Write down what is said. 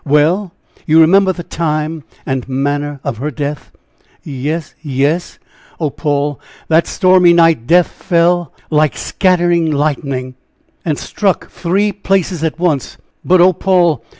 well?" "You remember the time and manner of her death?" "Yes yes!" "Oh, Paul! that stormy night death fell like scattering lightning, and struck three places at once! But, oh, Paul!